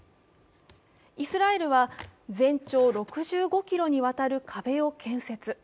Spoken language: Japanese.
イスラエルは全長６５ｋｍに渡る壁を建設。